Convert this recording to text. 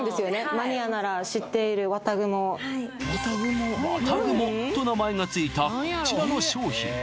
マニアなら知っているわたぐもはいと名前がついたこちらの商品